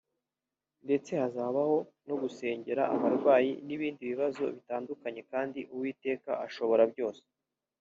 ndetse hazabaho no gusengera abarwayi n'ibindi bibazo bitandukanye kandi Uwiteka ashobora byose